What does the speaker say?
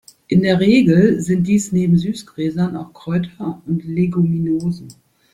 In der Regel sind dies neben Süßgräsern auch Kräuter und Leguminosen.